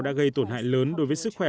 đã gây tổn hại lớn đối với sức khỏe